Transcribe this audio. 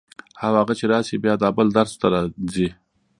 او هغه چې راشي بیا دا بل درس ته ځي.